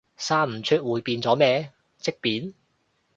生唔出會變咗咩，積便？